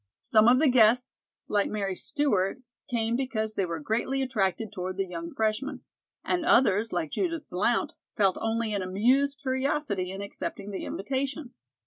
Some of the guests, like Mary Stewart, came because they were greatly attracted toward the young freshman; and others, like Judith Blount, felt only an amused curiosity in accepting the invitation.